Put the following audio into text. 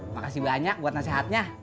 makasih banyak buat nasihatnya